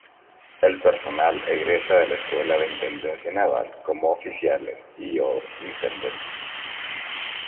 El personal egresa de la Escuela de Intendencia Naval como oficiales y o intendentes.